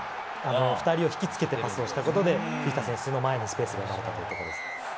２人を引き付けてパスをしたことで、フィフィタ選手の前にスペースが生まれたと思います。